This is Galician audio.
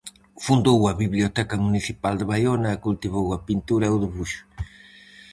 Fundou a Biblioteca Municipal de Baiona e cultivou a pintura e o debuxo.